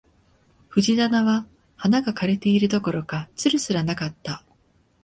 藤棚は花が枯れているどころか、蔓すらなかった